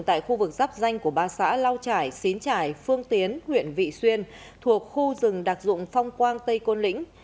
tại khu vực giáp danh của ba xã lao trải xín trải phương tiến huyện vị xuyên thuộc khu rừng đặc dụng phong quang tây côn lĩnh